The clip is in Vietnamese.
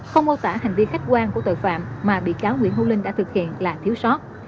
không mô tả hành vi khách quan của tội phạm mà bị cáo nguyễn hữu linh đã thực hiện là thiếu sót